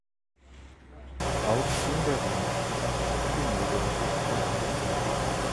Auch in der römischen Tracht hatte die Mode inzwischen Eingang gefunden.